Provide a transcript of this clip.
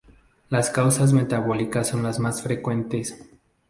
Las causas metabólicas son las más frecuentes.